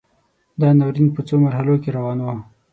دا ناورین په څو مرحلو کې روان و.